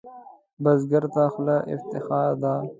بزګر ته خوله افتخار ده